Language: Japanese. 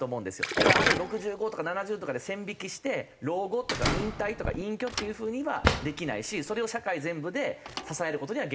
だからある６５とか７０とかで線引きして老後とか引退とか隠居っていう風にはできないしそれを社会全部で支える事には限界があるから。